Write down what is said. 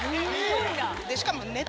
しかも。